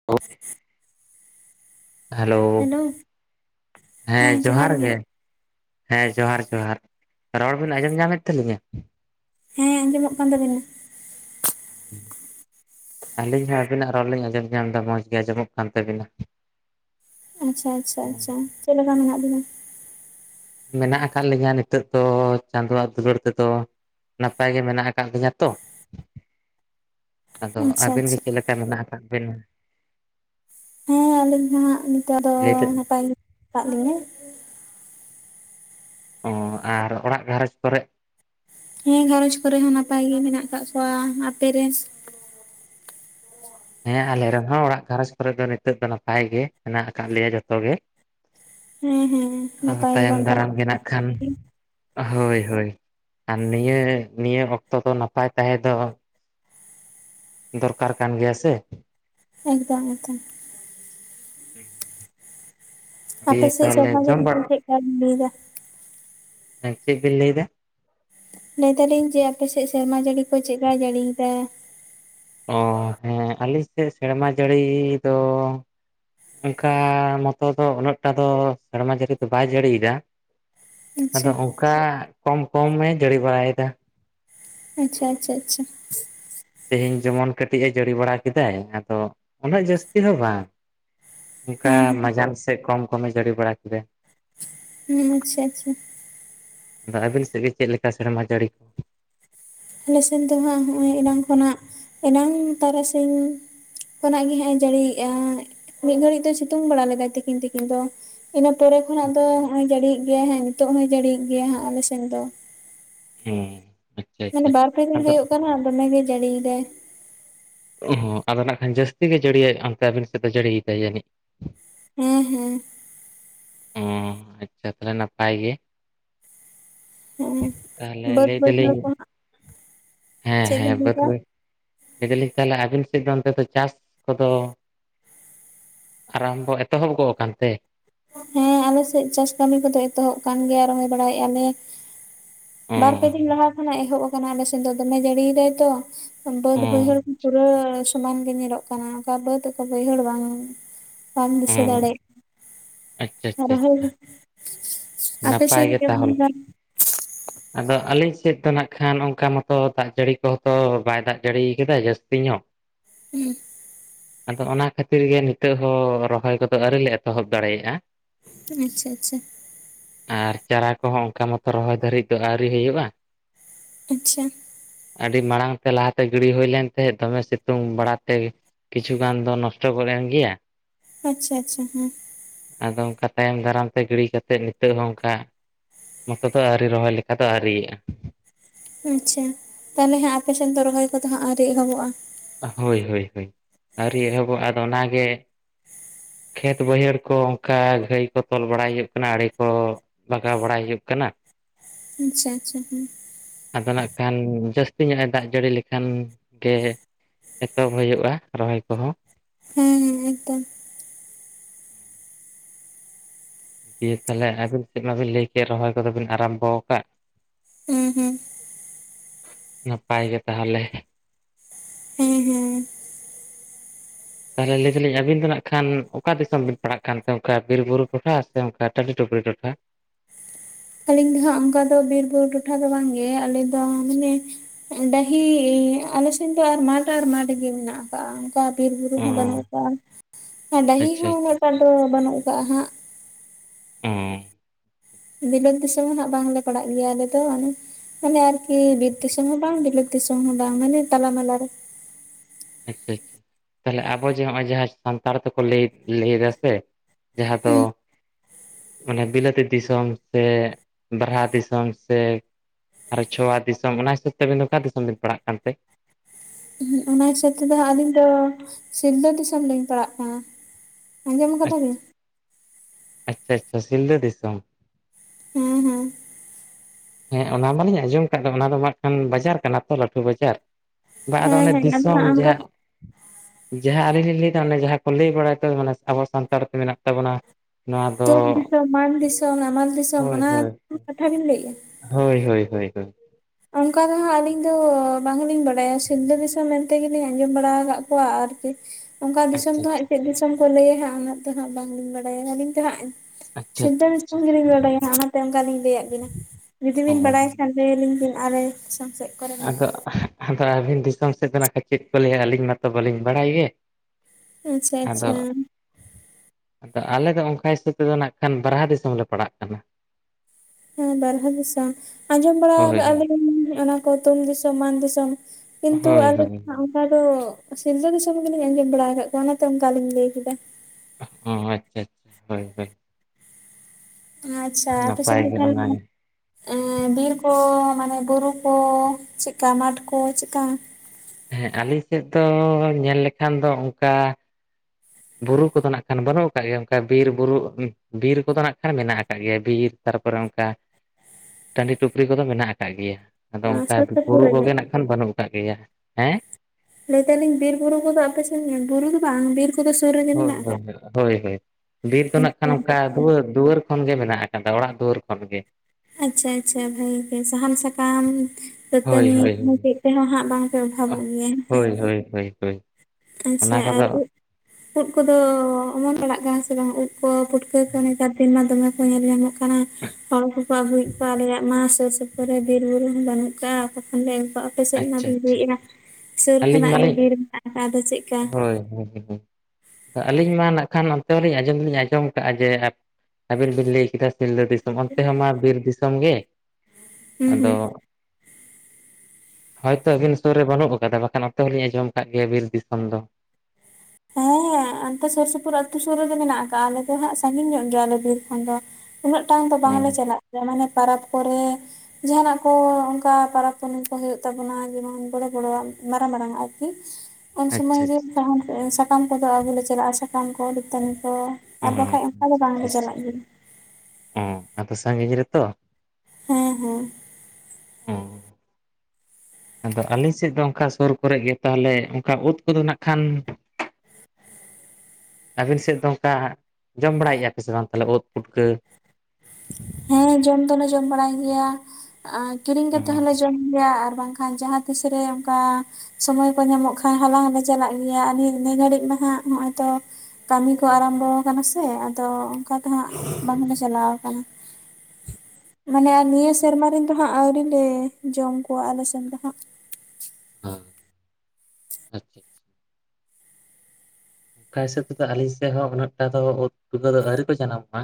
[inaudible] Hello ᱦᱮᱸ ᱡᱚᱦᱟᱨ ᱜᱮ᱾ ᱦᱮᱸ ᱡᱚᱦᱟᱨ ᱡᱚᱦᱟᱨ ᱨᱚᱲ ᱵᱮᱱ ᱟᱸᱡᱚᱢ ᱧᱟᱢ-ᱮᱫ ᱛᱟᱹᱞᱤᱧᱟ? ᱦᱮᱸ ᱟᱸᱡᱚᱢᱚᱜ ᱠᱟᱱ ᱛᱟᱹᱵᱤᱱᱟ᱾ ᱟᱹᱞᱤᱧ ᱦᱚᱸ ᱟᱹᱵᱤᱱᱟᱜ ᱨᱚᱲ ᱞᱤᱧ ᱟᱸᱡᱚᱢ ᱧᱟᱢ ᱮᱫᱟ ᱢᱚᱸᱡᱽ ᱜᱮ ᱟᱸᱡᱚᱢᱚᱜ ᱠᱟᱱ ᱛᱟᱹᱵᱤᱱᱟ᱾ ᱟᱪᱷᱟ ᱟᱪᱷᱟ ᱟᱪᱷᱟ ᱪᱮᱫ ᱞᱮᱠᱟ ᱢᱮᱱᱟᱜ ᱵᱤᱱᱟ? ᱢᱮᱱᱟᱜ ᱟᱠᱟᱫ ᱞᱤᱧᱟᱹ ᱱᱤᱛᱚᱜ ᱫᱚ ᱪᱟᱸᱫᱳᱣᱟᱜ ᱫᱩᱞᱟᱹᱲ ᱛᱮᱫᱚ ᱱᱟᱯᱟᱭ ᱜᱮ ᱢᱮᱱᱟᱜ ᱟᱠᱟᱜ ᱞᱤᱧᱟ ᱛᱚ᱾ ᱟᱫᱚ ᱟᱪᱪᱷᱟ ᱟᱹᱵᱤᱱ ᱜᱮ ᱟᱪᱪᱷᱟ ᱪᱮᱫ ᱞᱮᱠᱟ ᱢᱮᱱᱟᱜ ᱠᱟᱜ ᱵᱤᱱᱟ? ᱦᱮᱸ ᱟᱹᱞᱤᱧ ᱦᱚᱸᱜ ᱱᱤᱛᱚᱜ ᱫᱚ ᱞᱟᱹᱭ ᱛᱮ ᱱᱟᱯᱟᱭ ᱜᱮ ᱢᱮᱱᱟᱜ ᱠᱟᱜ ᱞᱤᱧᱟᱹ᱾ ᱚ ᱟᱨ ᱚᱲᱟᱜ ᱜᱷᱟᱨᱚᱸᱡᱽ ᱠᱚᱨᱮ? ᱦᱮᱸ ᱜᱷᱟᱨᱚᱡᱽ ᱠᱚᱨᱮ ᱦᱚᱸ ᱱᱟᱯᱟᱭ ᱜᱮ ᱢᱮᱱᱟᱜ ᱟᱠᱟᱜ ᱠᱚᱣᱟ᱾ ᱟᱯᱮᱨᱮᱱ? ᱦᱮᱸ ᱟᱞᱮ ᱨᱮᱱ ᱦᱚᱸ ᱚᱲᱟᱜ ᱜᱷᱟᱨᱚᱸᱡᱽ ᱠᱚᱨᱮ ᱫᱚ ᱱᱤᱛᱚᱜ ᱫᱚ ᱱᱟᱯᱟᱭ ᱜᱮ ᱢᱮᱱᱟᱜ ᱟᱠᱟᱫ ᱞᱮᱭᱟ ᱡᱚᱛᱚ ᱜᱮ᱾ ᱦᱮᱸ ᱦᱮᱸ ᱟᱫᱚ ᱱᱟᱯᱟᱭ ᱛᱟᱭᱚᱢ ᱜᱮᱵᱚᱱ ᱫᱟᱨᱟᱢ ᱜᱮᱱᱟᱜ ᱠᱷᱟᱱ ᱛᱟᱦᱮᱱ ᱦᱳᱭ ᱦᱳᱭ ᱟᱨ ᱱᱤᱭᱟᱹ ᱱᱤᱭᱟᱹ ᱚᱠᱛᱚ ᱫᱚ ᱱᱟᱯᱟᱭ ᱛᱟᱦᱮᱸ ᱫᱚ ᱫᱚᱨᱠᱟᱨ ᱠᱟᱱ ᱜᱮᱭᱟ ᱥᱮ᱾ ᱮᱠᱫᱚᱢ ᱮᱠᱫᱚᱢ᱾ [unintelligible] ᱟᱯᱮ ᱥᱮᱫ ᱛᱟᱦᱚᱞᱮ ᱥᱮᱨᱢᱟ ᱡᱚᱢ ᱡᱟᱹᱲᱤ ᱫᱚ ᱪᱮᱫ ᱵᱟᱲᱟ ᱞᱮᱠᱟ ᱵᱮᱱ ᱞᱟᱹᱭ ᱮᱫᱟ? ᱦᱮᱸ ᱪᱮᱫ ᱵᱤᱱ ᱞᱟᱹᱭ ᱮᱫᱟ? ᱞᱟᱹᱭ ᱫᱟᱞᱤᱧ ᱡᱮ ᱟᱯᱮᱥᱮᱫ ᱥᱮᱨᱢᱟ ᱡᱟᱹᱲᱤ ᱠᱚ ᱪᱮᱫᱠᱟᱭ ᱡᱟᱹᱲᱤᱭᱮᱫᱟ? ᱚᱸ ᱦᱮᱸ ᱟᱹᱞᱤᱧ ᱥᱮᱫ ᱥᱮᱨᱢᱟ ᱡᱟᱹᱲᱤ ᱫᱚ ᱚᱱᱠᱟ ᱢᱚᱛᱚ ᱫᱚ ᱩᱱᱟᱹᱜᱴᱟ ᱫᱚ ᱥᱮᱨᱢᱟ ᱡᱟᱹᱲᱤ ᱫᱚ ᱵᱟᱭ ᱡᱟᱹᱲᱤᱭᱮᱫᱟ᱾ ᱟᱪᱪᱷᱟ ᱟᱫᱚ ᱚᱱᱠᱟ ᱠᱚᱢ ᱠᱚᱢᱼᱮ ᱡᱟᱹᱲᱤ ᱵᱟᱲᱟᱭ ᱮᱫᱟ᱾ ᱟᱪᱷᱟ ᱟᱪᱪᱟ ᱟᱪᱷᱟ᱾ ᱛᱮᱦᱮᱧ ᱡᱮᱢᱚᱱ ᱠᱟᱹᱴᱤᱡ ᱮ ᱡᱟᱹᱲᱤ ᱵᱟᱲᱟ ᱠᱮᱫᱟᱭ ᱟᱫᱚ ᱩᱱᱟᱹᱜ ᱡᱟᱹᱥᱛᱤ ᱦᱚᱸ ᱵᱟᱝ᱾ ᱚᱱᱠᱟ ᱦᱮᱸ ᱦᱮᱸ ᱢᱟᱡᱟᱱ ᱥᱮᱫ ᱠᱚᱢ ᱠᱚᱢᱼᱮ ᱡᱟᱹᱲᱤ ᱵᱟᱲᱟ ᱠᱮᱫᱟ᱾ ᱦᱩᱸ ᱟᱪᱷᱟ ᱟᱪᱷᱟ᱾ ᱟᱫᱚ ᱟᱹᱵᱤᱱ ᱥᱮᱫ ᱜᱮ ᱪᱮᱫ ᱞᱮᱠᱟ ᱥᱮᱨᱢᱟ ᱡᱟᱹᱲᱤ? ᱟᱞᱮ ᱥᱮᱱ ᱫᱚᱦᱟᱸᱜ ᱱᱚᱜᱼᱚᱭ ᱮᱱᱟᱝ ᱠᱷᱚᱱᱟᱜ ᱮᱱᱟᱝ ᱛᱟᱨᱟᱥᱤᱧ ᱠᱷᱚᱱᱟᱜ ᱜᱮ ᱦᱟᱸᱜ ᱮ ᱡᱟᱹᱲᱤᱭᱮᱫᱼᱟ ᱢᱤᱫ ᱜᱷᱟᱹᱲᱤᱡ ᱫᱚ ᱥᱤᱛᱩᱝ ᱵᱟᱲᱟ ᱞᱮᱜᱟᱭ ᱛᱤᱠᱤᱱ ᱛᱤᱠᱤᱱ ᱫᱚ᱾ ᱤᱱᱟᱹ ᱯᱚᱨᱮ ᱠᱷᱚᱱᱟᱜ ᱫᱚ ᱱᱚᱜᱼᱚᱭ ᱡᱟᱹᱲᱤᱭᱮᱜ ᱜᱮᱭᱟᱭ ᱦᱟᱸᱜ ᱱᱤᱛᱚᱜ ᱦᱚᱸᱭ ᱡᱟᱹᱲᱤᱭᱮᱜ ᱜᱮᱭᱟᱭ ᱦᱟᱸᱜ ᱟᱞᱮᱥᱮᱱ ᱫᱚ᱾ ᱦᱮᱸ ᱟᱪᱪᱷᱟ ᱢᱟᱱᱮ ᱟᱪᱪᱷᱟ ᱵᱟᱨ ᱯᱮ ᱫᱤᱱ ᱟᱫᱚ ᱦᱩᱭᱩᱜ ᱠᱟᱱᱟ ᱟᱨ ᱫᱚᱢᱮ ᱜᱮᱭ ᱡᱟᱹᱲᱤᱭᱮᱫᱟ᱾ ᱚ ᱦᱚᱸᱜ ᱟᱫᱚ ᱱᱟᱜ ᱠᱷᱟᱱ ᱡᱟᱹᱥᱛᱤ ᱜᱮ ᱡᱟᱹᱲᱤᱭᱟᱭ ᱚᱱᱛᱮ ᱟᱹᱵᱤᱱ ᱥᱮᱫ ᱫᱚ ᱡᱟᱹᱲᱤᱭᱮᱫᱟᱭ ᱡᱟᱹᱱᱤᱡ᱾ ᱦᱮᱸ ᱦᱩᱸ ᱚ ᱟᱪᱪᱷᱟ ᱛᱟᱦᱚᱞᱮ ᱱᱟᱯᱟᱭ ᱜᱮ᱾ ᱦᱮᱸ ᱛᱟᱦᱚᱞᱮ ᱵᱟᱹᱫᱽ ᱞᱟᱹᱭ ᱵᱟᱹᱭᱦᱟᱹᱲ ᱫᱟᱞᱤᱧ ᱠᱚ ᱦᱟᱸᱜ ᱦᱮᱸ ᱪᱮᱫ ᱵᱤᱱ ᱦᱮᱸ ᱵᱟᱹᱫᱽ ᱞᱟᱹᱭᱫᱟ ᱵᱟᱹᱭᱦᱟᱲ ᱢᱮᱱ ᱫᱟᱞᱤᱧ ᱛᱟᱦᱚᱞᱮ ᱟᱵᱤᱱ ᱥᱮᱫ ᱫᱚ ᱚᱱᱛᱮ ᱫᱚ ᱪᱟᱥ ᱠᱚᱫᱚ ᱟᱨᱟᱢᱵᱚ ᱮᱛᱚᱦᱚᱵ ᱜᱚᱜ ᱟᱠᱟᱱ ᱛᱮ? ᱦᱮᱸ ᱟᱞᱮᱥᱮᱫ ᱪᱟᱥ ᱠᱟᱹᱢᱤ ᱠᱚᱫᱚ ᱮᱛᱚᱦᱚᱵ ᱠᱟᱱ ᱜᱮᱭᱟ ᱨᱚᱦᱚᱭ ᱵᱟᱲᱟᱭᱮᱫᱼᱟ ᱞᱮ ᱚ ᱵᱟᱨᱯᱮ ᱫᱤᱱ ᱞᱟᱦᱟ ᱠᱚᱱᱟᱜ ᱮᱦᱚᱵ ᱟᱠᱟᱱᱟ ᱟᱞᱮ ᱥᱮᱱ ᱫᱚ ᱫᱚᱢᱮ ᱡᱟᱹᱲᱤᱭᱮᱫᱟ ᱛᱚ᱾ ᱵᱟᱹᱫ ᱚ ᱵᱟᱹᱭᱦᱟᱹᱲ ᱠᱚ ᱯᱩᱨᱟᱹ ᱥᱚᱢᱟᱱ ᱜᱮ ᱧᱮᱞᱚᱜ ᱠᱟᱱᱟ ᱚᱱᱠᱟ ᱵᱟᱹᱫ ᱚᱠᱟ ᱵᱟᱹᱭᱦᱟᱹᱲ ᱵᱟᱝ ᱵᱟᱝ ᱚ ᱫᱤᱥᱟᱹ ᱫᱟᱲᱮ ᱟᱪᱪᱷᱟ ᱟᱪᱪᱷᱟ ᱟᱪᱪᱷᱟ [unintelligible] ᱟᱯᱮ ᱱᱟᱯᱟᱭ ᱥᱮᱱ ᱜᱮ ᱛᱟᱦᱚᱞᱮ [unintelligible] ᱟᱫᱚ ᱟᱹᱞᱤᱧ ᱥᱮᱫ ᱫᱚ ᱱᱟᱜ ᱠᱷᱟᱱ ᱚᱱᱠᱟ ᱢᱚᱛᱚ ᱫᱟᱜ ᱡᱟᱹᱲᱤ ᱠᱚᱦᱚᱸᱛᱚ ᱵᱟᱭ ᱫᱟᱜ ᱡᱟᱹᱲᱤ ᱟᱠᱟᱫᱟᱭ ᱡᱟᱹᱥᱛᱤ ᱧᱚᱜ᱾ [inaudible] ᱦᱮᱸ ᱟᱫᱚ ᱚᱱᱟ ᱠᱷᱟᱹᱛᱤᱨ ᱜᱮ ᱱᱤᱛᱚᱜ ᱦᱚᱸ ᱨᱚᱦᱚᱭ ᱠᱚᱫᱚ ᱟᱹᱣᱨᱤ ᱞᱮ ᱮᱛᱚᱦᱚᱵ ᱫᱟᱲᱮᱭᱟᱜᱼᱟ᱾ ᱟᱪᱪᱷᱟ ᱟᱪᱪᱷᱟ ᱟᱨ ᱪᱟᱨᱟ ᱠᱚᱦᱚᱸ ᱚᱱᱠᱟ ᱢᱚᱛᱚ ᱨᱚᱦᱚᱭ ᱫᱷᱟᱹᱨᱤᱡ ᱫᱚ ᱟᱹᱣᱨᱤ ᱦᱩᱭᱩᱜᱼᱟ᱾ ᱟᱪᱪᱷᱟ ᱟᱹᱰᱤ ᱢᱟᱲᱟᱝ ᱛᱮ ᱞᱟᱦᱟᱛᱮ ᱜᱤᱲᱤ ᱦᱩᱭ ᱞᱮᱱ ᱛᱟᱦᱮᱸᱫ ᱫᱚᱢᱮ ᱥᱤᱛᱩᱝ ᱵᱟᱲᱟᱛᱮ ᱠᱤᱪᱷᱩ ᱜᱟᱱ ᱫᱚ ᱱᱚᱥᱴᱚ ᱜᱚᱫ ᱮᱱ ᱜᱮᱭᱟ᱾ ᱟᱪᱪᱷᱟ ᱟᱪᱪᱷᱟ ᱦᱮᱸ ᱟᱫᱚ ᱚᱱᱠᱟ ᱛᱟᱭᱚᱢ ᱫᱟᱨᱟᱢ ᱛᱮ ᱜᱤᱰᱤ ᱠᱟ ᱠᱟᱛᱮᱫ ᱱᱤᱛᱚᱜ ᱦᱚᱸ ᱚᱱᱠᱟ ᱢᱚᱛᱚ ᱫᱚ ᱟᱹᱣᱨᱤ ᱨᱚᱦᱚᱭ ᱟᱫᱚ ᱟᱹᱣᱨᱤᱭᱟᱜᱼᱟ ᱟᱪᱪᱷᱟ ᱛᱟᱦᱚᱞᱮ ᱦᱟᱸᱜ ᱟᱯᱮᱥᱮᱫ ᱫᱚ ᱨᱚᱦᱚᱭ ᱠᱚᱫᱚ ᱦᱟᱸᱜ ᱟᱹᱣᱨᱤ ᱮᱦᱚᱵᱚᱜᱼᱟ᱾ ᱦᱳᱭ ᱦᱳᱭ ᱟᱹᱨᱤ ᱮᱦᱚᱵᱚᱜᱼᱟ ᱟᱫᱚ ᱚᱱᱟᱜ ᱜᱮ ᱠᱷᱮᱛ ᱵᱟᱹᱭᱦᱟᱹᱲ ᱠᱚ ᱚᱱᱠᱟ ᱜᱷᱟᱹᱭ ᱠᱚ ᱛᱚᱞ ᱵᱟᱲᱟᱭ ᱦᱩᱭᱩᱜ ᱠᱟᱱᱟ ᱟᱲᱮ ᱠᱚ ᱵᱟᱜᱟᱣ ᱵᱟᱲᱟᱭ ᱦᱩᱭᱩᱜ ᱠᱟᱱᱟ ᱟᱪᱪᱷᱟ ᱟᱪᱪᱷᱟ ᱦᱩᱸ ᱟᱫᱚ ᱱᱟᱜ ᱠᱷᱟᱱ ᱡᱟᱹᱥᱛᱤ ᱧᱚᱜ ᱮ ᱫᱟᱜ ᱡᱟᱹᱲᱤ ᱞᱮᱠᱷᱟᱱ ᱜᱮ ᱮᱛᱚᱦᱚᱵ ᱦᱩᱭᱩᱜᱼᱟ ᱨᱚᱦᱚᱭ ᱠᱚᱦᱚᱸ ᱦᱮᱸ ᱦᱮᱸ ᱮᱠᱫᱚᱢ ᱫᱤᱭᱮ ᱛᱟᱦᱚᱞᱮ ᱟᱵᱤᱱ ᱥᱮᱫ ᱢᱟᱵᱤᱱ ᱞᱟᱹᱭ ᱠᱮᱫ ᱨᱚᱦᱚᱭ ᱠᱚᱫᱚ ᱵᱤᱱ ᱟᱨᱟᱢᱵᱚ ᱟᱠᱟᱫ ᱦᱩᱸ ᱦᱩᱸ ᱱᱟᱯᱟᱭ ᱜᱮ ᱛᱟᱦᱚᱞᱮ᱾ ᱦᱮᱸ ᱦᱩᱸ ᱛᱟᱦᱚᱞᱮ ᱞᱟᱹᱭ ᱫᱟᱞᱤᱧ ᱟᱹᱵᱤᱱ ᱫᱚ ᱱᱟᱜ ᱠᱷᱟᱱ ᱚᱠᱟ ᱫᱤᱥᱚᱢ ᱵᱤᱱ ᱯᱟᱲᱦᱟᱜ ᱠᱟᱱᱟ ᱚᱱᱠᱟ ᱵᱤᱨ ᱵᱩᱨᱩ ᱴᱚᱴᱷᱟ ᱥᱮ ᱚᱱᱠᱟ ᱴᱟᱺᱰᱤ ᱴᱩᱯᱨᱤ ᱴᱚᱴᱷᱟ ᱟᱹᱞᱤᱧ ᱫᱚ ᱦᱟᱸᱟᱜ ᱚᱱᱠᱟ ᱫᱚ ᱵᱤᱨᱵᱩᱨᱩ ᱴᱚᱴᱷᱟ ᱫᱚ ᱵᱟᱝᱜᱮ ᱟᱞᱮ ᱫᱚ ᱢᱟᱱᱮ ᱰᱟᱦᱤ ᱟᱞᱮᱥᱱ ᱫᱚ ᱟᱨ ᱢᱟᱴᱷ ᱟᱨ ᱢᱟᱴᱷ ᱜᱮᱤ ᱢᱮᱱᱟᱜ ᱟᱠᱟᱟᱜ ᱚᱱᱠᱟ ᱵᱤᱨ ᱵᱩᱨᱩ ᱚ ᱦᱚᱸ ᱵᱟᱹᱱᱩᱜ ᱟᱠᱟᱟᱜ ᱟᱨ ᱰᱟᱹᱦᱤ ᱟᱪᱪᱷᱟ ᱦᱚᱸ ᱟᱪᱪᱷᱟ ᱩᱱᱟᱹᱜ ᱴᱟ ᱫᱚ ᱵᱟᱹᱱᱩᱜ ᱟᱠᱟᱟᱜᱼᱟ ᱦᱟᱸᱜ ᱚ ᱵᱤᱞᱟᱹᱛ ᱫᱤᱥᱚᱢ ᱫᱚ ᱦᱟᱜ ᱵᱟᱝᱞᱮ ᱯᱟᱲᱟᱜ ᱜᱮᱭᱟ ᱟᱞᱮ ᱫᱚ᱾ ᱢᱟᱱᱮ ᱟᱨᱠᱤ ᱵᱤᱨ ᱫᱤᱥᱚᱢ ᱦᱚᱸ ᱵᱟᱝ ᱵᱤᱞᱟᱹᱛ ᱫᱤᱥᱚᱢ ᱦᱚᱸ ᱵᱟᱝ ᱢᱟᱱᱮ ᱛᱟᱞᱟᱢᱟᱞᱟ ᱨᱮ ᱟᱪᱪᱷᱟ ᱟᱪᱪᱷᱟ ᱛᱟᱦᱞᱮ ᱟᱵᱚ ᱡᱮ ᱱᱚᱜᱼᱚᱭ ᱡᱟᱦᱟᱸ ᱥᱟᱱᱛᱟᱲ ᱠᱚ-ᱠᱚ ᱞᱟᱹᱭ ᱞᱟᱹᱭ ᱫᱟ ᱥᱮ ᱡᱟᱦᱟᱸ ᱦᱩᱸ ᱫᱚ ᱢᱟᱱᱮ ᱵᱤᱞᱟᱹᱛᱤ ᱫᱤᱥᱚᱢ ᱥᱮ ᱵᱟᱨᱦᱟ ᱫᱤᱥᱚᱢ ᱥᱮ ᱟᱨ ᱪᱷᱳᱣᱟ ᱫᱤᱥᱚᱢ ᱚᱱᱟ ᱦᱤᱥᱟᱹᱵ ᱛᱮ ᱟᱹᱵᱤᱱ ᱫᱚ ᱚᱠᱟ ᱫᱤᱥᱚᱢ ᱵᱤᱱ ᱯᱟᱲᱟᱜ ᱠᱟᱱᱛᱮ? ᱚᱱᱟ ᱦᱤᱥᱟᱹᱵ ᱛᱮᱫᱚ ᱟᱹᱞᱤᱧ ᱫᱚ ᱥᱤᱞᱫᱟᱹ ᱫᱤᱥᱚᱢ ᱞᱤᱧ ᱯᱟᱲᱟᱜ ᱠᱟᱱᱟ᱾ ᱟᱸᱡᱚᱢ ᱠᱟᱫᱟ ᱵᱤᱱ? ᱟᱪᱪᱷᱟ ᱟᱪᱪᱷᱟ ᱥᱤᱞᱫᱟᱹ ᱫᱤᱥᱚᱢ ᱦᱮᱸ ᱦᱮᱸ ᱦᱮᱸ ᱚᱱᱟ ᱢᱟᱞᱤᱧ ᱟᱸᱡᱚᱢ ᱟᱠᱟᱫ ᱫᱚ ᱚᱱᱟ ᱫᱚ ᱢᱟ ᱠᱷᱟᱱ ᱵᱟᱡᱟᱨ ᱠᱟᱱᱟ ᱛᱚ ᱞᱟᱹᱴᱩ ᱵᱟᱡᱟᱨ ᱵᱟ ᱟᱫᱚ ᱦᱮᱸ ᱚᱱᱮ ᱦᱮᱸ ᱟᱫᱚ ᱫᱤᱥᱚᱢ ᱦᱟᱸᱜ ᱚᱱᱠᱟ ᱡᱟᱦᱟᱸ ᱡᱟᱦᱟᱸ ᱟᱹᱞᱮᱞᱮ ᱞᱟᱹᱭᱫᱟ ᱚᱱᱮ ᱡᱟᱦᱟᱸ ᱠᱚ ᱞᱟᱹᱭ ᱵᱟᱲᱟᱭ ᱛᱚ ᱢᱟᱱᱮ ᱟᱵᱚ ᱥᱟᱱᱛᱟᱲ ᱛᱮ ᱢᱮᱱᱟᱜ ᱛᱟᱵᱚᱱᱟ ᱱᱚᱣᱟ ᱫᱚ ᱛᱩᱝ ᱫᱤᱥᱚᱢ ᱢᱟᱱ ᱫᱤᱥᱚᱢ ᱱᱟᱢᱟᱞ ᱫᱤᱥᱚᱢ ᱦᱳᱭ ᱚᱱᱟ ᱦᱳᱭ ᱠᱟᱛᱷᱟ ᱵᱤᱱ ᱞᱟᱹᱭᱮᱜᱼᱟ ᱦᱳᱭ ᱦᱳᱭ ᱦᱳᱭ ᱚᱱᱠᱟ ᱫᱚ ᱦᱟᱸᱜ ᱟᱹᱞᱤᱧ ᱫᱚ ᱵᱟᱝᱞᱤᱧ ᱵᱟᱲᱴᱰᱟᱭᱟ ᱥᱤᱞᱫᱟᱹ ᱫᱤᱥᱟᱢᱮ ᱢᱮᱱᱛᱮᱜᱮᱞᱤᱧ ᱟᱸᱡᱚᱢ ᱵᱟᱲᱟ ᱟᱠᱟᱫ ᱠᱚᱣᱟ ᱟᱨᱠᱤ ᱚᱱᱠᱟ ᱫᱤᱥᱚᱢ ᱟᱪᱪᱷᱟ ᱫᱚ ᱟᱪᱪᱷᱟ ᱦᱟᱸᱜ ᱪᱮᱫ ᱫᱤᱥᱚᱢ ᱠᱚ ᱞᱟᱹᱭᱟ ᱦᱟᱸᱜ ᱚᱱᱟ ᱫᱚ ᱦᱟᱸᱜ ᱵᱟᱝᱞᱤᱧ ᱵᱟᱲᱟᱭᱟ ᱟᱹᱞᱤᱧ ᱫᱚ ᱦᱟᱸᱜᱺ ᱟᱪᱪᱷᱟ ᱥᱤᱞᱫᱟᱹ ᱟᱪᱪᱷᱟ ᱟᱪᱪᱷᱟ ᱫᱤᱥᱚᱢ ᱟᱪᱪᱷᱟ ᱜᱮᱞᱤᱧ ᱵᱟᱰᱟᱭᱟ ᱚᱱᱟᱛᱮ ᱚᱝᱠᱟᱞᱤᱧ ᱞᱟᱹᱭᱟᱜ ᱵᱤᱱᱟ ᱡᱩᱫᱤ ᱵᱤᱱ ᱚ ᱵᱟᱲᱟᱭ ᱠᱷᱟᱱ ᱞᱟᱹᱭ ᱟᱞᱤᱧ ᱵᱮᱱ ᱟᱨᱞᱮ ᱥᱟᱶ ᱥᱮᱫ ᱠᱚᱨᱮᱱᱟᱜ ᱟᱫᱚ ᱟᱫᱚ ᱟᱹᱵᱤᱱ ᱫᱤᱥᱚᱢ ᱥᱮᱫ ᱫᱚ ᱠᱚ ᱱᱟᱦᱟᱜ ᱠᱷᱟᱱ ᱪᱮᱫ ᱠᱚ ᱞᱟᱹᱭᱟ ᱟᱹᱞᱤᱧ ᱢᱟᱛᱚ ᱵᱟᱹᱞᱤᱧ ᱵᱟᱲᱟᱭ ᱜᱮ ᱟᱪᱪᱷᱟ ᱟᱫᱚ ᱟᱪᱪᱷᱟ ᱟᱫᱚ ᱟᱞᱮ ᱫᱚ ᱚᱱᱠᱟ ᱦᱤᱥᱟᱹᱵᱽ ᱛᱮᱫᱚ ᱱᱟᱜ ᱠᱷᱟᱱ ᱵᱟᱨᱦᱟ ᱫᱤᱥᱚᱢ ᱞᱮ ᱯᱟᱲᱟᱜ ᱠᱟᱱᱟ᱾ ᱦᱮᱸ ᱵᱟᱨᱦᱟ ᱫᱤᱥᱚᱢ ᱟᱸᱡᱚᱢ ᱵᱟᱲᱟ ᱦᱳᱭ ᱠᱟᱜᱼᱟ ᱞᱤᱧ ᱚᱱᱟ ᱠᱚ ᱛᱩᱝ ᱫᱤᱥᱚᱢ ᱢᱟᱱ ᱫᱤᱥᱚᱢ ᱠᱤᱱᱛᱩ ᱦᱳᱭ ᱟᱞᱮ ᱦᱳᱭ ᱫᱚ ᱚᱱᱠᱟ ᱫᱚ ᱥᱤᱞᱫᱟᱹ ᱫᱤᱥᱚᱢ ᱜᱮᱞᱤᱧ ᱟᱸᱡᱚᱢ ᱵᱟᱲᱟ ᱟᱠᱟᱫ ᱠᱚᱣᱟ ᱚᱱᱟᱛᱮ ᱚᱱᱠᱟᱞᱤᱧ ᱞᱟᱹᱭ ᱠᱮᱫᱟ᱾ ᱚ ᱟᱪᱪᱷᱟ ᱟᱪᱪᱷᱟ᱾ ᱦᱳᱭ ᱦᱳᱭ ᱟᱪᱪᱷᱟ ᱛᱚ ᱱᱟᱯᱟᱭ ᱜᱮ ᱚᱱᱟᱜᱮ ᱵᱤᱨ ᱠᱚ ᱢᱟᱱᱮ ᱵᱩᱨᱩ ᱠᱚ ᱪᱮᱫᱠᱟ ᱢᱟᱴ ᱠᱚ ᱪᱮᱫᱠᱟ? ᱦᱮᱸ ᱟᱞᱮ ᱥᱮᱫ ᱫᱚ ᱧᱮᱞ ᱞᱮᱠᱷᱟᱱ ᱫᱚ ᱚᱝᱠᱟ ᱵᱩᱨᱩ ᱠᱚᱫᱚ ᱱᱟᱜ ᱠᱷᱟᱱ ᱵᱟᱹᱱᱩᱜ ᱟᱠᱟᱫ ᱜᱮᱭᱟ ᱚᱱᱠᱟ ᱵᱤᱨ ᱵᱩᱨᱩ ᱵᱤᱨ ᱠᱚᱫᱚ ᱱᱟᱜ ᱠᱷᱟᱱ ᱢᱮᱱᱟᱜ ᱟᱠᱟᱫ ᱜᱮᱭᱟ ᱵᱤᱨ ᱛᱟᱨᱯᱚᱨᱮ ᱚᱱᱠᱟ ᱴᱟᱺᱰᱤ ᱴᱩᱯᱨᱤ ᱠᱚᱫᱚ ᱢᱮᱱᱟᱜ ᱟᱠᱟᱫ ᱜᱮᱭᱟ᱾ ᱟᱫᱚ ᱚᱸ ᱚᱱᱠᱟ ᱥᱩᱨ ᱥᱩᱯᱩᱨ ᱵᱩᱨᱩ ᱨᱮᱜᱮ ᱠᱚᱜᱮ ᱱᱟᱜ ᱠᱷᱟᱱ ᱵᱟᱹᱱᱩᱜ ᱠᱟᱜ ᱜᱮᱭᱟ ᱦᱮᱸ ᱞᱟᱹᱭᱫᱟᱞᱤᱧ ᱵᱤᱨ ᱵᱩᱨᱩ ᱠᱚᱫᱚ ᱟᱯᱮᱥᱮᱱ ᱵᱩᱨᱩ ᱫᱚ ᱵᱟᱝ ᱵᱤᱨ ᱠᱚᱫᱚ ᱥᱩᱨ ᱨᱮᱜᱮ ᱦᱳᱭ ᱢᱮᱱᱟᱜ ᱟᱠᱟᱫ? ᱦᱳᱭ ᱦᱳᱭ ᱦᱳᱭ ᱵᱤᱨ ᱫᱚ ᱱᱟᱜ ᱠᱷᱟᱱ ᱚᱱᱠᱟ ᱫᱩᱣᱟᱹᱨ ᱫᱩᱣᱟᱹᱨ ᱠᱷᱚᱱ ᱜᱮ ᱢᱮᱱᱟᱜ ᱟᱠᱟᱫᱟ ᱚᱲᱟᱜ ᱫᱩᱣᱟᱹᱨ ᱠᱷᱚᱱᱜᱮ ᱟᱪᱪᱷᱟ ᱟᱪᱪᱷᱟ ᱵᱷᱟᱜᱤᱜᱮ ᱥᱟᱦᱟᱱ ᱥᱟᱠᱟᱢ ᱦᱳᱭ ᱫᱟᱹᱛᱟᱹᱱᱤ ᱦᱳᱭ ᱢᱩ ᱪᱮᱫ ᱛᱮᱦᱚᱸ ᱦᱟᱸᱜ ᱵᱟᱝ ᱚᱵᱷᱟᱵᱚᱜ ᱜᱮᱭᱟ ᱦᱮᱸ ᱥᱮ ᱦᱳᱭ ᱦᱳᱭ ᱦᱳᱭ ᱚᱱᱟ ᱟᱪᱪᱷᱟ ᱟᱨ ᱠᱚᱫᱚ ᱩᱫ ᱩᱫ ᱠᱚᱫᱚ ᱚᱢᱚᱱ ᱵᱟᱲᱟᱜ ᱠᱟᱱᱟ ᱥᱮ ᱵᱟᱝ ᱩᱫ? ᱠᱚ ᱯᱩᱴᱠᱟᱹ ᱠᱚ ᱱᱮᱛᱟᱨ ᱫᱤᱱ ᱢᱟ ᱫᱚᱢᱮ ᱠᱚ ᱧᱮᱞ ᱧᱟᱢᱚᱜ ᱠᱟᱱᱟ ᱦᱚᱲ ᱠᱚᱠᱚ ᱟᱹᱜᱩᱭᱮᱫ ᱠᱚᱣᱟ ᱟᱞᱮᱭᱟᱜ ᱢᱟ ᱚᱱᱟ ᱥᱩᱨ ᱥᱩᱯᱩᱨ ᱨᱮ ᱵᱤᱨᱼᱵᱩᱨᱩ ᱦᱚᱸ ᱵᱟᱹᱱᱩᱜ ᱠᱟᱜᱼᱟ ᱛᱚᱠᱷᱚᱱ ᱫᱚ ᱟᱯᱮ ᱥᱮᱫ ᱢᱟ ᱟᱪᱪᱷᱟ ᱵᱤᱱ ᱟᱪᱪᱷᱟ ᱞᱟᱹᱭᱮᱫ ᱠᱟᱱ ᱥᱩᱨ ᱟᱹᱞᱤᱧ ᱠᱷᱚᱱᱟᱜ ᱜᱮ ᱢᱟᱞᱤᱧ ᱵᱤᱨ ᱢᱮᱱᱟᱜᱼᱟ ᱦᱳᱭ ᱦᱩᱸ ᱦᱩᱸ ᱟᱹᱞᱤᱧ ᱢᱟ ᱱᱟᱜ ᱠᱷᱟᱱ ᱚᱱᱛᱮ ᱦᱚᱸᱞᱤᱧ ᱟᱸᱡᱚᱢ ᱫᱚᱞᱤᱧ ᱟᱸᱡᱚᱢ ᱠᱟᱜᱼᱟ ᱡᱮ ᱟᱹᱵᱤᱱ ᱵᱤᱱ ᱞᱟᱹᱭ ᱠᱮᱫᱟ ᱥᱤᱞᱫᱟᱹ ᱫᱤᱥᱚᱢ ᱚᱱᱛᱮ ᱦᱚᱸᱢᱟ ᱵᱤᱨ ᱫᱤᱥᱚᱢ ᱜᱮ ᱦᱩᱸ ᱟᱫᱚ ᱦᱩᱸ ᱦᱳᱭᱛᱚ ᱟᱹᱵᱤᱱ ᱥᱩᱨ ᱨᱮ ᱵᱟᱹᱱᱩᱜ ᱠᱟᱫᱟ ᱵᱟᱠᱷᱟᱱ ᱚᱱᱛᱮ ᱦᱚᱸᱞᱤᱧ ᱟᱸᱚᱢ ᱠᱟᱫ ᱜᱮᱭᱟ ᱵᱤᱨ ᱫᱤᱥᱚᱢ ᱫᱚ ᱦᱮᱸ ᱚᱱᱛᱮ ᱥᱩᱨ ᱥᱩᱯᱩᱨ ᱟᱹᱛᱩ ᱥᱩᱨ ᱨᱮᱜᱮ ᱢᱮᱱᱟᱜ ᱠᱟᱜᱼᱟ ᱟᱞᱮ ᱫᱚ ᱦᱟᱸᱜ ᱥᱟᱺᱜᱤᱧ ᱧᱚᱜ ᱜᱮᱭᱟᱞᱮ ᱵᱤᱨ ᱠᱷᱚᱱ ᱫᱚ᱾ ᱩᱱᱟᱹᱜ ᱴᱟᱝ ᱫᱚ ᱵᱟᱝᱞᱮ ᱪᱟᱞᱟᱜ ᱢᱟᱱᱮ ᱯᱚᱨᱚᱵᱽ ᱠᱚᱨᱮ ᱡᱟᱦᱟᱱᱟᱜ ᱠᱚ ᱚᱱᱠᱟ ᱯᱚᱨᱚᱵᱽ ᱯᱩᱱᱟᱹᱭ ᱠᱚ ᱦᱩᱭᱩᱜ ᱛᱟᱵᱚᱱᱟ ᱡᱮᱢᱚᱱ ᱵᱚᱲᱚ ᱵᱚᱲᱚᱣᱟᱜ ᱢᱟᱨᱟᱝ ᱢᱟᱨᱟᱝᱟᱜ ᱟᱨᱠᱤ [inaudible] ᱩᱱ ᱥᱩᱢᱟᱹᱭ ᱜᱮ ᱥᱟᱦᱟᱱ ᱥᱟᱠᱟᱢ ᱠᱚᱫᱚ ᱟᱜᱩ ᱞᱮ ᱪᱟᱞᱟᱜᱼᱟ ᱥᱟᱠᱟᱢ ᱠᱚ ᱫᱟᱹᱛᱟᱹᱱᱤ ᱠᱚ᱾ ᱚ ᱟᱨ ᱵᱟᱠᱷᱟᱡ ᱚᱱᱠᱟ ᱫᱚ ᱟᱪᱪᱷᱟ ᱵᱟᱝᱞᱮ ᱟᱪᱪᱷᱟ-ᱪᱷᱟ ᱪᱟᱞᱟᱜ ᱜᱮᱭᱟ ᱚ ᱟᱫᱚ ᱥᱟᱺᱜᱤᱧ ᱨᱮᱛᱚ ᱦᱮᱸ ᱦᱮᱸ ᱚ ᱟᱫᱚ ᱟᱞᱮ ᱥᱮᱫ ᱫᱚ ᱚᱱᱠᱟ ᱥᱩᱨ ᱠᱚᱨᱮ ᱜᱮ ᱛᱟᱦᱞᱮ ᱚᱱᱠᱟ ᱩᱫ ᱠᱚᱫᱚ ᱱᱟᱜ ᱠᱷᱟᱱᱼᱼ ᱟᱹᱵᱤᱱ ᱥᱮᱫ ᱫᱚ ᱚᱱᱠᱟ ᱡᱚᱢ ᱵᱟᱲᱟᱭᱮᱫᱼᱟᱯᱮ ᱥᱮ ᱵᱟᱝ ᱛᱟᱦᱞᱮ ᱩᱫ ᱯᱩᱴᱠᱟᱹ [inaudible] ᱦᱮᱸ ᱡᱚᱢ ᱫᱚᱞᱮ ᱡᱚᱢ ᱵᱟᱲᱟᱭ ᱜᱮᱭᱟ ᱟᱨ ᱠᱤᱨᱤᱧ ᱠᱟᱛᱮ ᱦᱚᱸᱞᱮ ᱡᱚᱢ ᱜᱮᱭᱟ ᱟᱨ ᱵᱟᱝᱠᱷᱟᱱ ᱡᱟᱦᱟᱸ ᱛᱤᱥᱨᱮ ᱚᱱᱠᱟ ᱥᱚᱢᱚᱭ ᱠᱚ ᱧᱟᱢᱚᱜ ᱠᱷᱟᱱ ᱦᱟᱞᱟᱝ ᱞᱮ ᱪᱟᱞᱟᱜ ᱜᱮᱭᱟ ᱟᱨ ᱱᱤ-ᱱᱤᱭᱟᱹ ᱜᱷᱟᱹᱲᱤᱡ ᱢᱟ ᱦᱟᱸᱜ ᱱᱚᱜᱼᱚᱭ ᱛᱚ ᱠᱟᱹᱢᱤ ᱠᱚ ᱟᱨᱟᱢᱵᱚ ᱠᱟᱱᱟ ᱥᱮ ᱟᱫᱚ ᱚᱱᱠᱟ ᱫᱚ ᱦᱟᱸᱜ ᱵᱟᱝᱞᱮ ᱪᱟᱞᱟᱣ ᱠᱟᱱᱟ ᱢᱟᱱᱮ ᱟᱨ ᱱᱤᱭᱟᱹ ᱥᱮᱨᱢᱟ ᱨᱮᱱ ᱫᱚ ᱦᱟᱸᱜ ᱟᱹᱣᱨᱤ ᱞᱮ ᱡᱚᱢ ᱠᱚᱣᱟ ᱟᱞᱮ ᱥᱮᱱ ᱫᱚ ᱦᱟᱸᱜ ᱦᱮᱸ ᱟᱪᱪᱷᱟ ᱟᱪᱪᱷᱟ ᱚᱠᱟ ᱦᱤᱥᱟᱹᱵᱽ ᱛᱮᱫᱚ ᱟᱹᱞᱤᱧ ᱥᱮᱫ ᱦᱚᱸ ᱩᱱᱟᱹᱜ ᱴᱟ ᱫᱚ ᱩᱫ, ᱯᱤᱴᱷᱟᱹ ᱫᱚ ᱟᱹᱣᱨᱤ ᱠᱚ ᱡᱟᱱᱟᱢᱚᱜᱼᱟ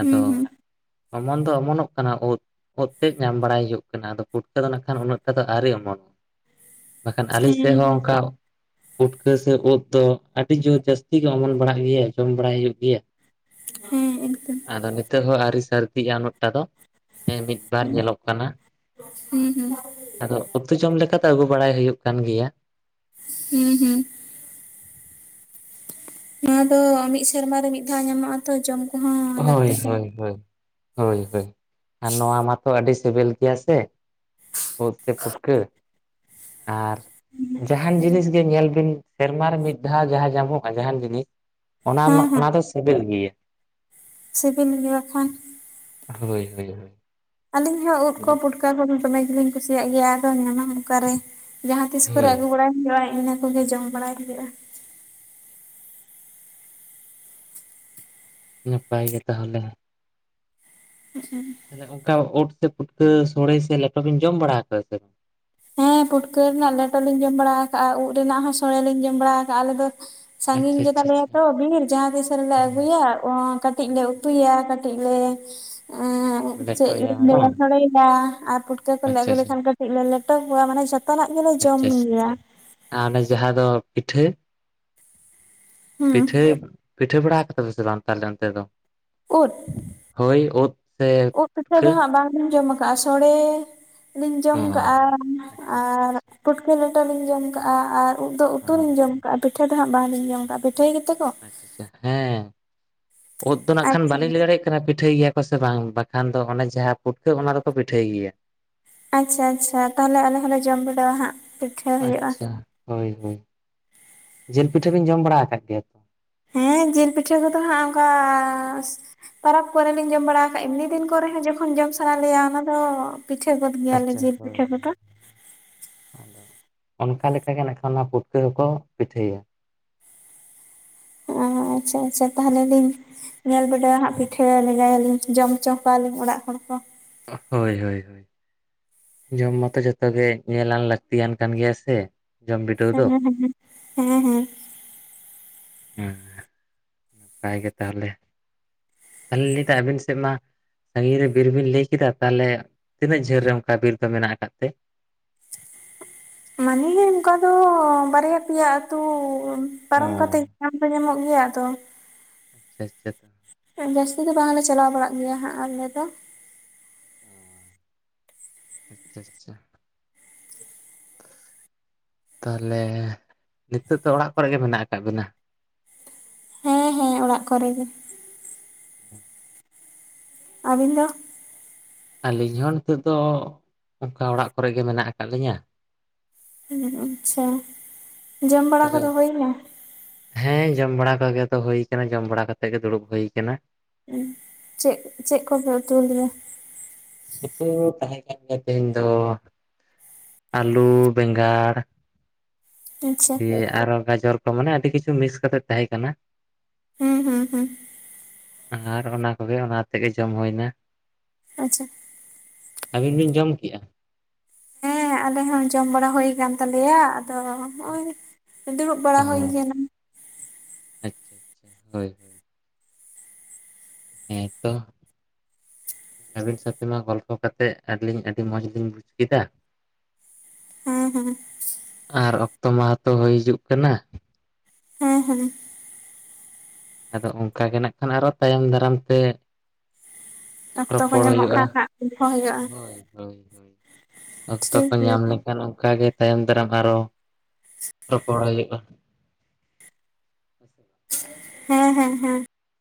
ᱦᱩᱸ ᱟᱫᱚ ᱦᱩᱸ ᱚᱢᱚᱱ ᱫᱚ ᱚᱢᱚᱱᱚᱜ ᱠᱟᱱᱟ ᱩᱫ᱾ ᱳᱫᱛᱮᱫ ᱧᱟᱢ ᱵᱟᱲᱟᱭ ᱦᱩᱭᱩᱜ ᱠᱟᱱᱟ ᱟᱫᱚ ᱯᱷᱩᱴᱠᱟᱹ ᱫᱚ ᱱᱟᱜᱠᱷᱟᱱ ᱩᱱᱟᱹᱜᱴᱟ ᱫᱚ ᱟᱹᱣᱨᱤ ᱚᱢᱚᱱᱚᱜ-ᱟ ᱵᱟᱠᱷᱟᱱ ᱟᱹᱞᱤᱧ ᱥᱮᱫ ᱦᱚᱸ ᱦᱮᱸ ᱚᱱᱠᱟ ᱩᱴᱠᱟᱹ ᱥᱮ ᱩᱫ ᱫᱚ ᱟᱹᱰᱤ ᱡᱳᱨ ᱡᱟᱹᱥᱛᱤ ᱜᱮ ᱚᱢᱚᱱ ᱵᱟᱲᱟᱜ ᱜᱮᱭᱟ ᱡᱚᱢ ᱵᱟᱲᱟᱭ ᱦᱩᱭᱩᱜ ᱜᱮᱭᱟ᱾ ᱦᱮᱸ ᱮᱠᱫᱚᱢ ᱟᱫᱚ ᱱᱤᱛᱚᱜ ᱦᱚᱸ ᱟᱹᱣᱨᱤ ᱥᱟᱹᱨᱫᱤᱜᱼᱟ ᱩᱱᱟᱹᱜᱴᱟ ᱫᱚ᱾ ᱦᱮᱸ ᱢᱤᱫ ᱵᱟᱨ ᱦᱮᱸ ᱧᱮᱞᱚᱜ ᱠᱟᱱᱟ᱾ ᱦᱩᱸ ᱦᱩᱸ ᱟᱫᱚ ᱩᱛᱩ ᱡᱚᱢ ᱞᱮᱠᱟ ᱫᱚ ᱟᱹᱜᱩ ᱵᱟᱲᱟᱭ ᱦᱩᱭᱩᱜ ᱠᱟᱱ ᱜᱮᱭᱟ ᱦᱩᱸ ᱦᱩᱸ ᱱᱚᱣᱟ ᱫᱚ ᱢᱤᱫ ᱥᱮᱨᱢᱟ ᱨᱮ ᱢᱤᱫ ᱫᱷᱟᱣ ᱧᱟᱢᱚᱜᱼᱟ ᱛᱚ ᱡᱚᱢ ᱠᱚᱦᱚᱸ ᱦᱳᱭ ᱞᱟᱹᱠᱛᱤᱜ ᱠᱟᱱᱟ ᱦᱳᱭ ᱦᱳᱭ ᱦᱳᱭ ᱦᱳᱭ ᱟᱨ ᱱᱚᱣᱟ ᱢᱟᱛᱚ ᱟᱹᱰᱤ ᱥᱤᱵᱤᱞ ᱜᱮᱭᱟ ᱥᱮ ᱩᱫ ᱥᱮ ᱯᱩᱴᱠᱟᱹ ᱟᱨ ᱡᱟᱦᱟᱱ ᱡᱤᱱᱤᱥ ᱜᱮ ᱧᱮᱞ ᱵᱤᱱ ᱥᱮᱨᱢᱟ ᱨᱮ ᱢᱤᱫ ᱫᱷᱟᱣ ᱡᱟᱦᱟᱸ ᱧᱟᱢᱚᱜᱼᱟ ᱡᱟᱦᱟᱱ ᱡᱤᱱᱤᱥ ᱚᱱᱟ ᱢᱟ ᱦᱮᱸ ᱦᱮᱸ ᱚᱱᱟ ᱫᱚ ᱥᱤᱵᱤᱞ ᱜᱮᱭᱟ ᱥᱤᱵᱤᱞ [inaudible] ᱦᱳᱭ ᱦᱳᱭ ᱦᱳᱭ ᱟᱹᱞᱤᱧ ᱦᱚᱸ ᱩᱫ ᱠᱚ ᱯᱩᱴᱠᱟ ᱠᱚ ᱫᱚᱢᱮ ᱜᱮᱞᱤᱧ ᱠᱩᱥᱤᱭᱟᱜ ᱜᱮᱭᱟ ᱟᱫᱚ ᱧᱟᱢᱟᱢ ᱚᱠᱟᱨᱮ ᱡᱟᱦᱟᱸ ᱛᱤᱥ ᱠᱚᱨᱮ ᱦᱳᱭ ᱟᱹᱜᱩ ᱵᱟᱲᱟᱭ ᱦᱩᱭᱩᱜᱼᱟ ᱤᱱᱟᱹ ᱠᱚᱜᱮ ᱡᱚᱢ ᱵᱟᱲᱟᱭ ᱦᱩᱭᱩᱜᱼᱟ᱾ ᱱᱟᱯᱟᱭ ᱜᱮ ᱛᱟᱦᱚᱞᱮ ᱦᱩ ᱛᱟᱦᱚᱞᱮ ᱚᱱᱠᱟ ᱚᱫ ᱥᱮ ᱯᱩᱴᱠᱟᱹ ᱥᱳᱲᱮ ᱥᱮ ᱞᱮᱴᱚ ᱵᱤᱱ ᱡᱚᱢ ᱵᱟᱲᱟ ᱟᱠᱟᱫᱟ ᱥᱮ ᱵᱟᱝ ᱦᱮᱸ ᱯᱩᱴᱠᱟᱹ ᱨᱮᱱᱟᱜ ᱞᱮᱴᱚ ᱞᱤᱧ ᱡᱚᱢ ᱵᱟᱲᱟ ᱠᱟᱜᱼᱟ ᱩᱫ ᱨᱮᱱᱟᱜ ᱦᱚᱸ ᱥᱳᱲᱮᱞᱤᱧ ᱡᱚᱢ ᱵᱟᱲᱟ ᱠᱟᱜᱼᱟ ᱟᱞᱮ ᱫᱚ ᱟᱪᱪᱷᱟ ᱥᱟᱺᱜᱤᱧ ᱟᱪᱪᱷᱟ ᱜᱮᱛᱟᱞᱮᱭᱟ ᱟᱪᱪᱷᱟ ᱛᱚ ᱵᱤᱨ ᱡᱟᱦᱟᱸ ᱛᱤᱥ ᱥ ᱨᱮᱞᱮ ᱟᱹᱜᱩᱭᱟ ᱠᱟᱹᱴᱤᱡ ᱞᱮ ᱩᱛᱩᱭᱟ ᱠᱟᱹᱴᱤᱡ ᱞᱮ ᱪᱮᱫ ᱞᱮᱴᱚᱭᱟ ᱤᱧ ᱞᱟᱭᱟ ᱵᱟᱝ ᱥᱚᱲᱮᱭᱟ ᱟᱨ ᱯᱩᱴᱠᱟᱹ ᱠᱚᱞᱮ ᱟᱪᱪᱷᱟ ᱟᱹᱜᱩ ᱟᱪᱪᱷᱟ ᱞᱮᱠᱷᱟᱱ ᱠᱟᱹᱴᱤᱡ ᱞᱮᱴᱚ ᱠᱚᱣᱟ ᱢᱟᱱᱮ ᱡᱚᱛᱚ ᱡᱚᱛᱱᱟᱜ ᱜᱮᱞᱮ ᱡᱚᱢ ᱟᱪᱪᱷᱟ ᱟᱪᱪᱷᱟ ᱜᱮᱭᱟ᱾ ᱟᱨ ᱚᱱᱮ ᱡᱟᱦᱟᱸ ᱫᱚ ᱯᱤᱴᱷᱟᱹ ᱦᱩᱸ ᱯᱤᱴᱷᱟᱹ ᱯᱤᱴᱷᱟᱹ ᱵᱟᱲᱟ ᱠᱟᱫᱟ ᱯᱮ ᱥᱮ ᱵᱟᱝ ᱛᱟᱦᱚᱞᱮ ᱚᱱᱛᱮ ᱫᱚ ᱩᱫ ᱦᱳᱭ ᱩᱫ ᱩᱫ ᱯᱤᱴᱷᱟ ᱫᱚ ᱦᱟᱸᱜ ᱵᱟᱞᱤᱧ ᱡᱚᱢ ᱠᱟᱜᱼᱟ ᱥᱚᱲᱮ ᱞᱤᱧ ᱡᱚᱢ ᱚ ᱠᱟᱜᱼᱟ ᱟᱪᱪᱷᱟ ᱟᱪᱪᱷᱟ ᱟᱨ ᱯᱩᱴᱠᱟᱹ ᱞᱮᱴᱚ ᱞᱤᱧ ᱡᱚᱢ ᱠᱟᱜᱼᱟ ᱟᱨ ᱩᱫ ᱫᱚ ᱩᱛᱩ ᱚ ᱞᱤᱧ ᱡᱚᱢ ᱠᱟᱜᱼᱟ, ᱯᱤᱴᱷᱟᱹ ᱫᱚ ᱦᱟᱸᱜ ᱵᱟᱝ ᱞᱤᱧ ᱡᱚᱢ ᱠᱟᱜᱼᱟ, ᱯᱤᱴᱷᱟᱹᱭ ᱜᱮ ᱛᱮ ᱠᱚ ᱟᱪᱪᱟ ᱦᱮᱸ ᱳᱫ ᱫᱚ ᱱᱟᱜ ᱠᱷᱟᱱ ᱟᱪᱪᱷᱟ ᱵᱟᱞᱤᱧ ᱞᱟᱹᱭ ᱫᱟᱲᱮ ᱭᱟᱜ ᱠᱟᱱᱟ᱾ ᱯᱤᱴᱷᱟᱹᱭ ᱜᱮᱭᱟ ᱠᱚ ᱥᱮ ᱵᱟᱝ ᱵᱟᱠᱷᱟᱱ ᱫᱚ ᱚᱱᱮ ᱡᱟᱦᱟᱸ ᱯᱩᱴᱠᱟᱹ ᱚᱱᱟ ᱫᱚ ᱠᱚ ᱯᱤᱴᱷᱟᱹᱭ ᱜᱮ ᱭᱟ᱾ ᱟᱪᱪᱷᱟ ᱟᱪᱪᱷᱟ ᱛᱟᱦᱞᱮ ᱟᱞᱮ ᱦᱚᱸᱞᱮ ᱡᱚᱢ ᱵᱤᱰᱟᱹᱣ ᱟ ᱦᱟᱸᱜ ᱯᱤᱴᱷᱟᱹ ᱦᱩᱭᱩᱜᱼᱟ ᱟᱪᱪᱷᱟ ᱦᱳᱭ ᱦᱳᱭ ᱡᱤᱞ ᱯᱤᱴᱷᱟᱹ ᱵᱤᱱ ᱡᱚᱢ ᱵᱟᱲᱟ ᱟᱠᱟᱫ ᱜᱮᱭᱟ᱾ ᱦᱮᱸ ᱡᱤᱞ ᱯᱤᱴᱷᱟᱹ ᱠᱚᱫᱚ ᱦᱟᱸᱜ ᱚᱱᱠᱟ ᱯᱚᱨᱟᱵᱽ ᱠᱚᱨᱮ ᱞᱤᱧ ᱡᱚᱢ ᱵᱟᱲᱟ ᱟᱠᱟᱫᱼᱟ, ᱮᱢᱱᱤ ᱫᱤᱱ ᱠᱚ ᱨᱮ ᱦᱚᱸ ᱡᱚ ᱠᱷᱚᱱ ᱡᱚᱢ ᱥᱟᱱᱟ ᱞᱤᱧᱟ ᱚᱱᱟ ᱫᱚ ᱯᱤᱴᱷᱟᱹ ᱭᱟᱠᱚ ᱟᱪᱪᱷᱟ ᱦᱳᱭ, ᱟᱫᱚ ᱚᱱᱠᱟ ᱞᱮᱠᱟ ᱜᱮ ᱱᱟᱜ ᱠᱷᱟᱱ ᱚᱱᱟ ᱯᱩᱴᱠᱟᱹ ᱦᱚ ᱠᱚ ᱯᱤᱴᱷᱟᱹᱭᱟ᱾ ᱚ ᱟᱪᱪᱷᱟ ᱟᱪᱪᱷᱟ ᱛᱟᱦᱞᱮ ᱞᱤᱧ ᱧᱮᱞ ᱵᱟᱰᱟᱭ ᱦᱟᱸᱜ ᱯᱤᱴᱷᱟᱹ ᱞᱮᱸᱜᱟ ᱭᱟ ᱞᱤᱧ ᱡᱚᱢ ᱦᱚᱪᱚ ᱠᱚᱣᱟ ᱞᱤᱧ ᱚᱲᱟᱜ ᱦᱚᱲ ᱠᱚ ᱦᱳᱭ ᱦᱳᱭ ᱦᱳᱭ, ᱡᱚᱢ ᱢᱟᱛᱚ ᱡᱷᱚᱛᱚ ᱜᱮ ᱧᱮᱞ ᱟᱱ ᱞᱟᱹᱠᱛᱤ ᱭᱟᱱ ᱠᱟᱱ ᱜᱮᱭᱟ ᱥᱮ ᱡᱚᱢ ᱵᱤᱰᱟᱹᱣ ᱫᱚ᱾ ᱦᱮᱸᱦᱮᱸ ᱦᱮᱸᱦᱮᱸ ᱦᱮᱸ, ᱦᱮᱸ, ᱦᱮᱸ ᱱᱟᱯᱟᱭ ᱜᱮ ᱛᱟᱦᱚᱞᱮ, [unintelligible] ᱟᱵᱤᱱ ᱥᱮᱫ ᱢᱟ ᱥᱟᱺᱜᱤᱧ ᱨᱮ ᱵᱤᱨ ᱵᱤᱱ ᱞᱟᱹᱭ ᱠᱤᱫᱟ, ᱛᱟᱦᱚᱞᱮ ᱛᱤᱱᱟᱹᱜ ᱡᱷᱟᱹᱞ ᱨᱮ ᱚᱱᱠᱟ ᱵᱤᱨ ᱫᱚ ᱢᱮᱱᱟᱜ ᱟᱠᱟᱫ ᱛᱮ, ᱢᱟᱱᱮ ᱚᱱᱠᱟ ᱫᱚ ᱵᱟᱨᱭᱟ ᱯᱮᱭᱟ ᱟᱹᱛᱩ ᱚ᱾ ᱯᱟᱨᱚᱢ ᱠᱟᱛᱮᱜ ᱧᱟᱢ ᱫᱚ ᱧᱟᱢᱚᱜ ᱜᱮᱭᱟ ᱟᱫᱚ, ᱥᱮᱪᱮᱛ ᱡᱟᱹᱥᱛᱤ ᱫᱚ ᱵᱟᱝᱞᱮ ᱪᱟᱞᱟᱣ ᱵᱟᱲᱟᱜ ᱜᱮᱭᱟ ᱦᱟᱸᱜ ᱟᱞᱮ ᱫᱚ ᱚᱻ ᱟᱪᱪᱷᱟ ᱟᱪᱪᱷᱟ, ᱛᱟᱦᱞᱮ ᱱᱤᱛᱳᱜ ᱫᱚ ᱚᱲᱟᱜ ᱠᱚ ᱨᱮ ᱜᱮ ᱢᱮᱱᱟᱜ ᱠᱟᱜ ᱵᱤᱱᱟ᱾ ᱦᱮᱸ ᱦᱮᱸ ᱚᱲᱟᱜ ᱠᱚᱨᱮ ᱜᱮ᱾ ᱟᱵᱤᱱ ᱫᱚ, ᱟᱞᱤᱧ ᱦᱚᱸ ᱱᱤᱛᱚᱜ ᱫᱚ ᱚᱱᱠᱟ ᱚᱲᱟᱜ ᱠᱚᱨᱮ ᱜᱮ ᱢᱮᱱᱟᱜ ᱟᱠᱟᱫ ᱞᱤᱧᱟ, ᱦᱮᱸᱻ ᱟᱪᱪᱷᱟ ᱡᱚᱢ ᱵᱟᱲᱟ ᱛᱟᱦᱚᱞᱮ ᱠᱚᱫᱚ ᱦᱩᱭ ᱱᱟ? ᱦᱮᱸ ᱡᱚᱢ ᱵᱟᱲᱟ ᱠᱚ ᱜᱮ ᱛᱚ ᱦᱩᱭ ᱠᱟᱱᱟ, ᱡᱚᱢ ᱵᱟᱲᱟ ᱠᱟᱛᱮᱜ ᱜᱮ ᱫᱩᱲᱩᱵ ᱦᱩᱭ ᱟᱠᱟᱱᱟ, ᱦᱩᱸ ᱪᱮᱫ, ᱪᱮᱫ ᱠᱚᱯᱮ ᱩᱛᱩ ᱟᱠᱟᱫᱟ, ᱩᱛᱩ ᱛᱟᱦᱮᱸ ᱠᱟᱱ ᱜᱮᱭᱟ ᱛᱮᱦᱤᱧ ᱫᱚ, ᱟᱹᱞᱩ ᱵᱮᱸᱜᱟᱲ ᱟᱪᱪᱷᱟ ᱫᱤᱭᱮ ᱟᱨᱚ ᱜᱟᱡᱚᱨ ᱠᱚ ᱢᱟᱱᱮ ᱟᱹᱰᱤ ᱠᱤᱪᱷᱩ ᱢᱤᱠᱥ ᱠᱟᱛᱮᱫ ᱛᱟᱦᱮᱸ ᱠᱟᱱᱟ ᱦᱩᱸ ᱦᱩᱸ ᱦᱩᱸ ᱟᱨ ᱚᱱᱟ ᱠᱚᱜᱮ ᱚᱱᱟᱛᱮ ᱜᱮ ᱡᱚᱢ ᱦᱩᱭ ᱮᱱᱟ ᱟᱪᱪᱷᱟ ᱟᱹᱵᱤᱱ ᱵᱤᱱ ᱡᱚᱢ ᱠᱮᱜᱼᱟ ᱦᱮᱸ ᱟᱞᱮ ᱦᱚᱸ ᱡᱚᱢ ᱵᱟᱲᱟ ᱦᱩᱭ ᱟᱠᱟᱱ ᱛᱟᱞᱮᱭᱟ ᱟᱫᱚ ᱱᱚᱜᱼᱚᱭ ᱫᱩᱲᱩᱵ ᱵᱟᱲᱟ ᱚ ᱦᱩᱭᱱᱟ ᱟᱪᱪᱷᱟ ᱟᱪᱪᱷᱟ ᱦᱳᱭ ᱦᱳᱭ ᱦᱮᱸ ᱛᱚ ᱟᱹᱵᱤᱱ ᱥᱟᱶᱛᱮ ᱱᱳᱣᱟ ᱜᱚᱞᱯᱚ ᱠᱟᱛᱮᱫ ᱟᱹᱞᱤᱧ ᱟᱹᱰᱤ ᱢᱚᱸᱡᱽ ᱞᱤᱧ ᱵᱩᱡᱽ ᱠᱮᱫᱟ [inaudible] ᱦᱮᱸ ᱦᱮᱸ ᱟᱨ ᱚᱠᱛᱚ ᱢᱟᱦᱟ ᱛᱚ ᱦᱩᱭ ᱦᱤᱡᱩᱜ ᱠᱟᱱᱟ ᱦᱮᱸ ᱦᱮᱸ ᱟᱫᱚ ᱚᱱᱠᱟ ᱜᱮ ᱱᱟᱜ ᱠᱷᱟᱱ ᱟᱨᱚ ᱛᱟᱭᱚᱢ ᱫᱟᱨᱟᱢ ᱛᱮ ᱚᱠᱛᱚ ᱠᱚ ᱨᱚᱯᱚᱲ ᱧᱟᱢᱚᱜ ᱦᱩᱭᱩᱜᱼᱟ ᱠᱷᱟᱱ ᱦᱟᱸᱜ ᱜᱚᱞᱯᱷᱚ ᱦᱩᱭᱩᱜᱼᱟ ᱦᱳᱭ ᱦᱳᱭ ᱦᱳᱭ ᱚᱠᱛᱚ ᱴᱷᱤᱠ ᱠᱚ ᱜᱮᱭᱟ ᱧᱟᱢ ᱞᱮᱠᱷᱟᱱ ᱚᱱᱠᱟ ᱜᱮ ᱛᱟᱭᱚᱢ ᱫᱟᱨᱟᱢ ᱟᱨᱚ ᱨᱚᱯᱚᱲ ᱦᱩᱭᱩᱜᱼᱟ ᱦᱳᱭ ᱥᱮ ᱦᱮᱸ ᱦᱮᱸ ᱦᱮᱸ